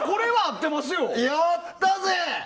やったぜ！